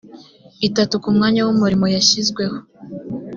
itatu ku mwanya w umurimo yashyizweho